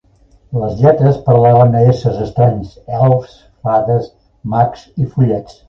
Les lletres parlaven a éssers estranys: elfs, fades, mags i follets.